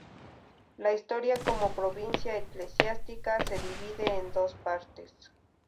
La historia como Provincia Eclesiástica se divide en dos partes.